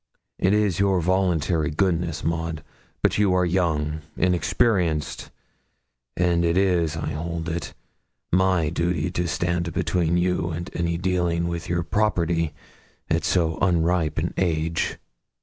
It is your voluntary goodness, Maud. But you are young, inexperienced; and it is, I hold it, my duty to stand between you and any dealing with your property at so unripe an age.